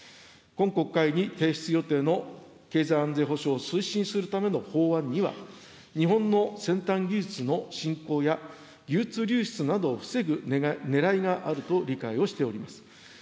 今国会に提出予定の経済安全保障を推進するための法案には、日本の先端技術の振興や技術流出などを防ぐねらいがあると理解をしております。